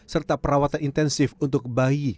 serta perawatan intensif untuk bayi